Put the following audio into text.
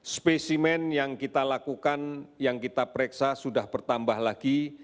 spesimen yang kita lakukan yang kita pereksa sudah bertambah lagi